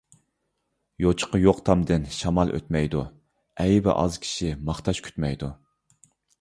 يوچۇقى يوق تامدىن شامال ئۆتمەيدۇ، ئەيىبى ئاز كىشى ماختاش كۈتمەيدۇ.